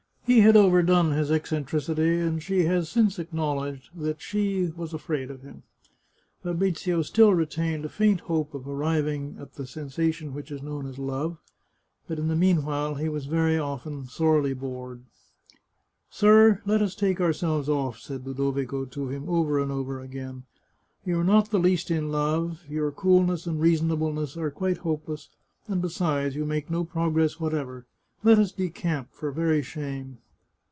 He had overdone his eccentricity, and she has since acknowledged that she was afraid of him. Fabrizio still retained a faint hope of arriving at the sensation which is known as love, but in the mean while, he was very often sorely bored. 234 The Chartreuse of Parma " Sir, let us take ourselves off," said Ludovico to him over and over again. " You are not the least in love ; your coolness and reasonableness are quite hopeless, and besides, you make no progress whatsoever. Let us decamp, for very shame."